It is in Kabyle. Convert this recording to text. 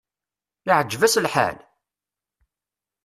Iɛǧeb-as lḥal?